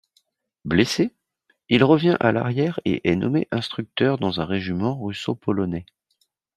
Blessé, il revient à l'arrière et est nommé instructeur dans un régiment russo-polonais.